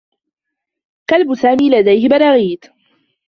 كلب سامي لديه براغيث.